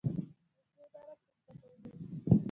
وزې نرم پوستکی لري